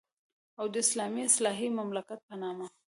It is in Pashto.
او د اسلامي اصلاحي مملکت په نامه.